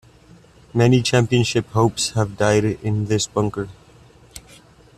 Many championship hopes have died in this bunker.